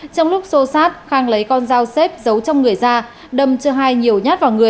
trong lúc xô sát khang lấy con dao xếp giấu trong người ra đâm cho hai nhiều nhát vào người